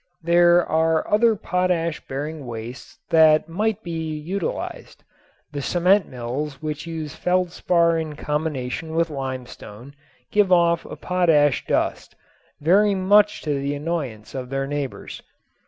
There are other potash bearing wastes that might be utilized. The cement mills which use feldspar in combination with limestone give off a potash dust, very much to the annoyance of their neighbors.